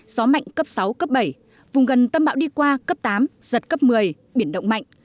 gió mạnh cấp sáu cấp bảy vùng gần tâm bão đi qua cấp tám giật cấp một mươi biển động mạnh